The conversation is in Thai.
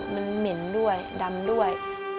มันเหม็นด้วยดำด้วย